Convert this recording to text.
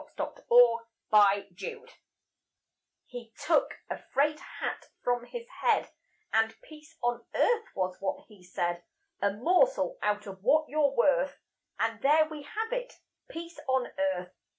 Peace on Earth He took a frayed hat from his head, And "Peace on Earth" was what he said. "A morsel out of what you're worth, And there we have it: Peace on Earth.